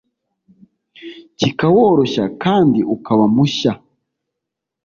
kikaworoshya kandi ukaba mushya …